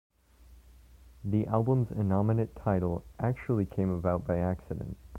The album's innominate title actually came about by accident.